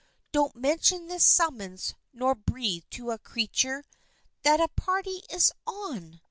Don't mention this summons nor breathe to a creature That a party is on